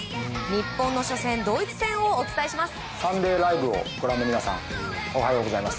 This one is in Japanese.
日本の初戦ドイツ戦をお伝えします。